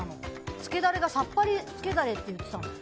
つけダレがさっぱりつけダレって言ってたの。